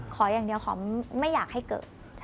ขออย่างเดียวขอไม่อยากให้เกิด